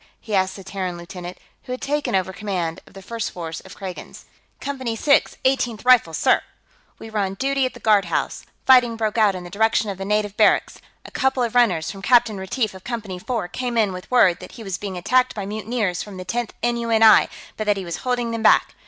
he asked the Terran lieutenant who had taken over command of the first force of Kragans. "Company 6, Eighteenth Rifles, sir. We were on duty at the guardhouse; fighting broke out in the direction of the native barracks. A couple of runners from Captain Retief of Company 4 came in with word that he was being attacked by mutineers from the Tenth N.U.N.I. but that he was holding them back.